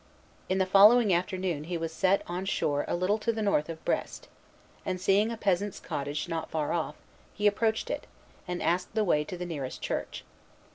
In the following afternoon he was set on shore a little to the north of Brest, and, seeing a peasant's cottage not far off, he approached it, and asked the way to the nearest church.